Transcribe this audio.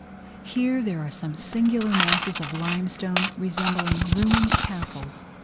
Here there are some singular masses of limestone, resembling ruined castles.